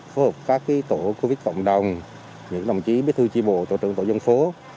phối hợp các tổ covid cộng đồng những đồng chí bế thư chi bộ tổ trưởng tổ dân phố